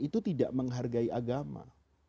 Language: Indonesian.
itu tidak menghargai agama